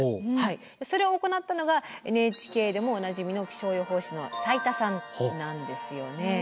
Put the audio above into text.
それを行ったのがＮＨＫでもおなじみの気象予報士の斉田さんなんですよね。